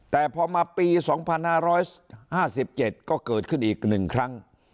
แต่พอมาปี๒๕๕๗ก็เกิดขึ้นอีก๑ครั้ง